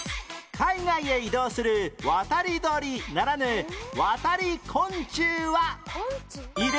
海外へ移動する渡り鳥ならぬ渡り昆虫はいる？